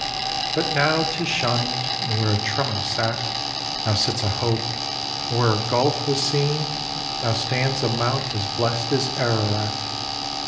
But now 'tis shunn'd; and where a Tremor sat Now sits a Hope; and where a gulf was seen Now stands a mount as blest as Ararat.